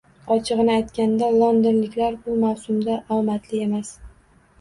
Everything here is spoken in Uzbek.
Ochig'ini aytganda, Londonliklar bu mavsumda omadli emas